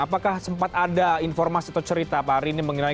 apakah sempat ada informasi atau cerita pak hari ini mengenai